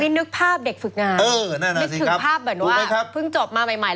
มีนึกภาพเด็กฝึกงานเออนั่นแหละสิครับนึกภาพแบบว่าเพิ่งจบมาใหม่ใหม่